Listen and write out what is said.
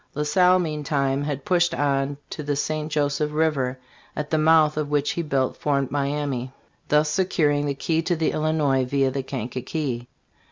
La Salle meantime had pushed on to the St. Joseph river, at the mouth of which he built Fort Miamis, thus securing the key to the Illinois via the Kankakee.